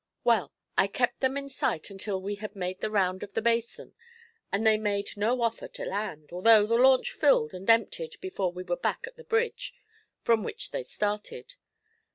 Well, I kept them in sight until we had made the round of the basin, and they made no offer to land, although the launch filled and emptied before we were back at the bridge from which we started.